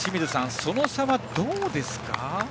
その差はどうですか。